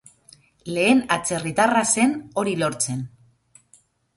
Lehen atzerritarra zen hori lortzen.